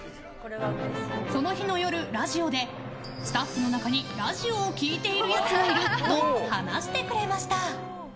その日の夜、ラジオでスタッフの中にラジオを聴いているやつがいると話してくれました。